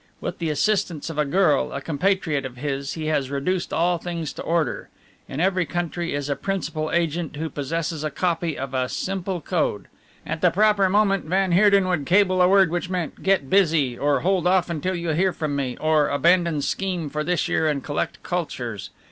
With the assistance of a girl, a compatriot of his, he has reduced all things to order. In every country is a principal agent who possesses a copy of a simple code. At the proper moment van Heerden would cable a word which meant 'Get busy' or 'Hold off until you hear from me,' or 'Abandon scheme for this year and collect cultures.'